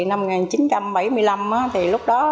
năm một nghìn chín trăm bảy mươi năm thì lúc đó